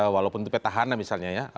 walaupun itu petahana misalnya ya